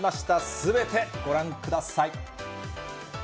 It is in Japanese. すべてご覧ください。